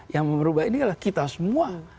yang merubah ini adalah kita semua